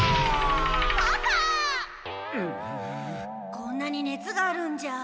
こんなに熱があるんじゃ。